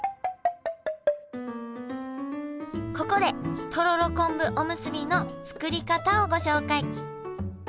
ここでとろろ昆布おむすびの作り方をご紹介。